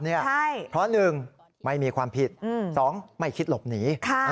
เพราะหนึ่งไม่มีความผิดสองไม่คิดหลบหนี